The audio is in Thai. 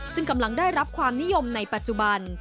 ซึ่งกำลังได้รับความนิยมในปัจจุบัน